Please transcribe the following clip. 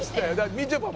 みちょぱもね